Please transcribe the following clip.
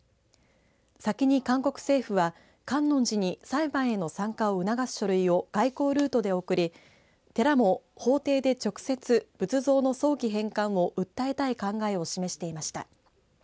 先に韓国政府は観音寺に裁判への参加を促す書類を外交ルートで送り寺も法廷で直接仏像の早期返還を訴えたい考えを示していました。